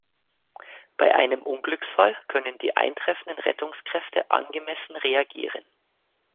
Bei einem Unglücksfall können die eintreffenden Rettungskräfte angemessen reagieren.